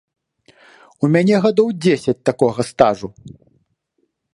У мяне гадоў дзесяць такога стажу.